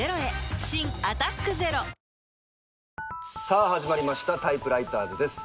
さあ始まりました『タイプライターズ』です。